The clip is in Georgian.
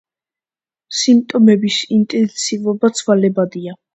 სიმპტომების ინტენსივობა ცვალებადია.